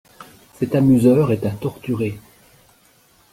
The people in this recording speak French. Cet amuseur est un torturé.